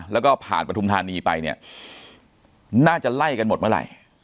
แล้วก็ผ่านปฐุมธานีไปเนี่ยน่าจะไล่กันหมดเมื่อไหร่